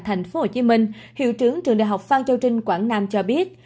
tp hcm hiệu trưởng trường đại học phan châu trinh quảng nam cho biết